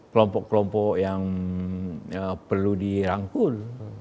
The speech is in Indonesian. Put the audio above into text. kelompok kelompok yang perlu dirangkul